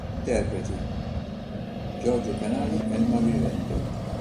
Interpreti: Giorgio Canali è il malvivente.